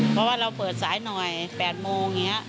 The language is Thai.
เพราะว่าเราเปิดสายหน่อย๘โมง